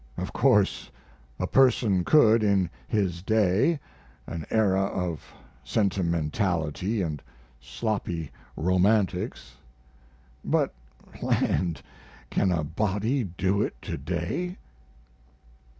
Of course a person could in his day an era of sentimentality & sloppy romantics but land! can a body do it to day?